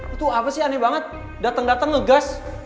itu apa sih aneh banget dateng dateng ngegas